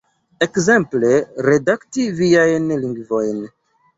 Ekzemple, redakti viajn lingvojn